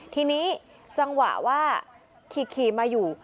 ทีนี้จังหวะว่าขี่มาอยู่